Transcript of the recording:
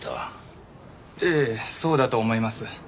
ええそうだと思います。